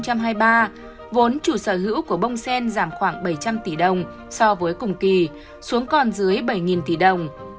tới giữa năm hai nghìn hai mươi ba vốn chủ sở hữu của bông sen giảm khoảng bảy trăm linh tỷ đồng so với cùng kỳ xuống còn dưới bảy tỷ đồng